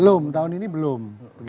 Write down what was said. belum tahun ini belum